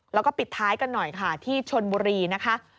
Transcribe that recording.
แล้วก็ปิดท้ายกันหน่อยค่ะที่ชนบุรีนะคะ